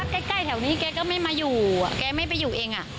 ใกล้แถวนี้แกก็ไม่มาอยู่แกไม่ไปอยู่เอง